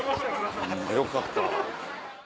よかった。